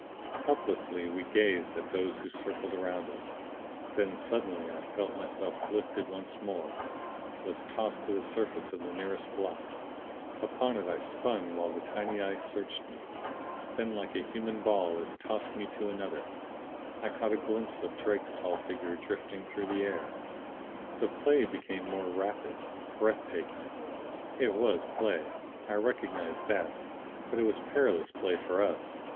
Helplessly we gazed at those who circled around us. Then suddenly I felt myself lifted once more, was tossed to the surface of the nearest block. Upon it I spun while the tiny eyes searched me. Then like a human ball it tossed me to another. I caught a glimpse of Drake's tall figure drifting through the air. The play became more rapid, breathtaking. It was play; I recognized that. But it was perilous play for us.